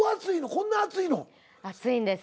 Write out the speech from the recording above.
こんな厚いの？厚いんです。